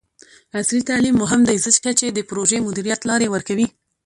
عصري تعلیم مهم دی ځکه چې د پروژې مدیریت لارې ورکوي.